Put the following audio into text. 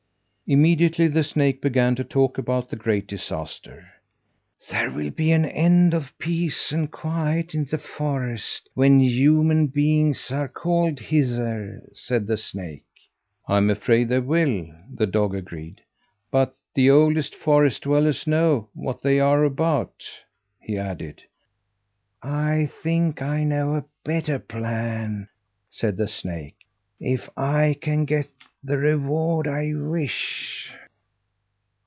Immediately the snake began to talk about the great disaster. "There will be an end of peace and quiet in the forest when human beings are called hither," said the snake. "I'm afraid there will," the dog agreed; "but the oldest forest dwellers know what they're about!" he added. "I think I know a better plan," said the snake, "if I can get the reward I wish."